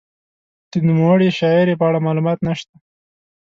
د نوموړې شاعرې په اړه معلومات نشته.